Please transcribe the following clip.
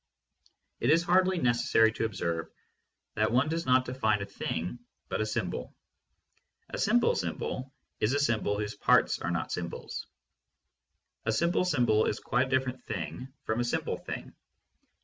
It is hardly necessary to observe that one does not define a thing but a symbol. (A "simple" symbol is a symbol whose parts are not symbols. ) A simple symbol is quite a different thing from a simple thing.